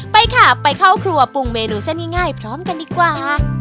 ไปค่ะไปเข้าครัวปรุงเมนูเส้นง่ายพร้อมกันดีกว่า